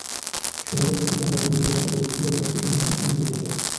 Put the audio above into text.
শোভাযাত্রাটি ক্যাম্পাসের বিভিন্ন এলাকা প্রদক্ষিণ করে প্রশাসনিক ভবনের সামনে এসে শেষ হয়।